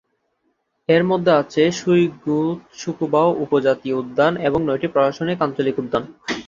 এর মধ্যে আছে সুইগো-ৎসুকুবা উপ-জাতীয় উদ্যান এবং নয়টি প্রশাসনিক আঞ্চলিক উদ্যান।